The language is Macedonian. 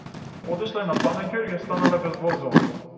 Отишле на панаѓур и останале без возила